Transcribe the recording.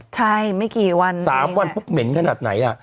ใช่ไม่กี่วัน๓วันปุ๊บเหม็นขนาดไหนอ่ะ